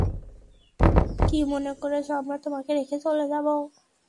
কী মনে করেছ আমরা তোমাকে রেখে চলে যাব?